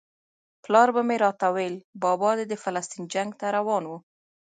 پلار به مې راته ویل بابا دې د فلسطین جنګ ته روان و.